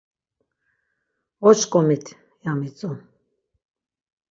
Oşǩomit, ya mitzu.